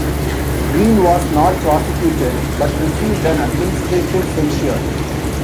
Green was not prosecuted, but received an administrative censure.